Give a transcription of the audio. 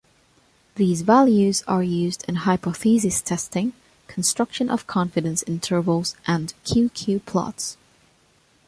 These values are used in hypothesis testing, construction of confidence intervals and Q-Q plots.